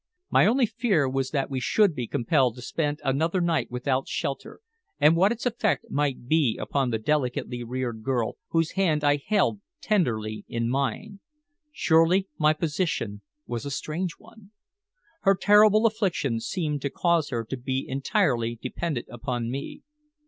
My only fear was that we should be compelled to spend another night without shelter, and what its effect might be upon the delicately reared girl whose hand I held tenderly in mine. Surely my position was a strange one. Her terrible affliction seemed to cause her to be entirely dependent upon me.